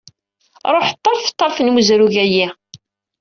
Ruḥ ṭṭerf ṭṭerf n wezrug-ayi.